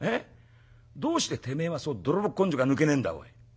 どうしててめえはそう泥棒根性が抜けねえんだおい。